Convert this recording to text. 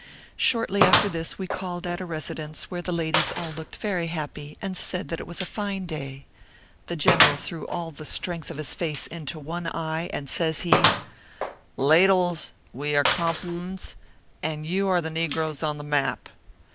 Shortly after this we called at a residence where the ladies all looked very happy and said that it was a fine day. The general threw all the strength of his face into one eye, and says he :" Ladles, we are compl m^ns, and you are the ne groes on the map.